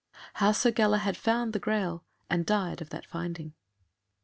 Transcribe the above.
How Sir Galahad found the Graal and died of that Finding.